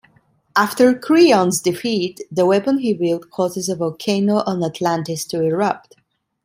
After Creon's defeat, the weapon he built causes a volcano on Atlantis to erupt.